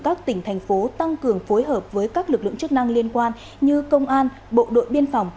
các tỉnh thành phố tăng cường phối hợp với các lực lượng chức năng liên quan như công an bộ đội biên phòng